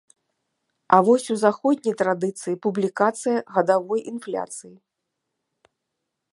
А вось у заходняй традыцыі публікацыя гадавой інфляцыі.